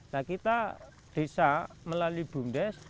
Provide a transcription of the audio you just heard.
nah kita desa melalui bumdes